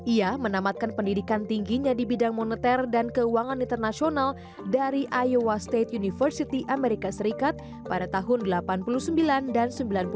ia menamatkan pendidikan tingginya di bidang moneter dan keuangan internasional dari iowa state university amerika serikat pada tahun seribu sembilan ratus delapan puluh sembilan dan seribu sembilan ratus sembilan puluh